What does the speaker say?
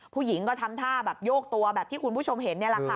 ผู้หญิงก็ทำท่าแบบโยกตัวแบบที่คุณผู้ชมเห็นนี่แหละค่ะ